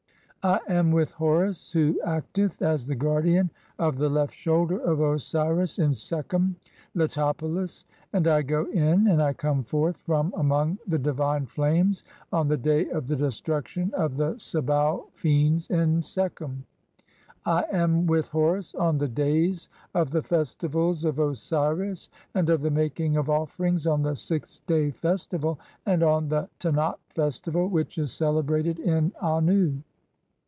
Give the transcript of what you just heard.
2 I am with Horus "who [acteth] (21) as the guardian of the left shoulder of Osiris "in Sekhem (Letopolis), (22) and I go in and I come forth from "among the divine flames on the day of the destruction of the "(23) Sebau fiends in Sekhem. I am with Horus on the days "(24) of the festivals of Osiris, and of the making of offerings "on the Sixth day festival, 3 and on the Tenat festival 4 [which is "celebrated] in (25) Annu.